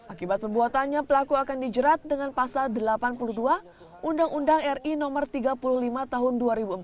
akibat perbuatannya pelaku akan dijerat dengan pasal delapan puluh dua undang undang ri no tiga puluh lima tahun dua ribu empat belas